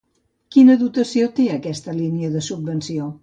Quina dotació té aquesta línia de subvenció?